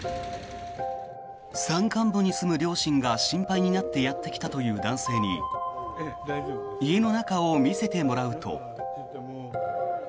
山間部に住む両親が心配になってやってきたという男性に家の中を見せてもらうと。